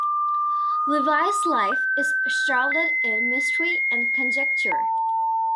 Levi's life is shrouded in mystery and conjecture.